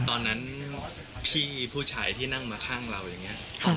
ตอนนั้นพี่ผู้ชายที่นั่งมาข้างเราอย่างนี้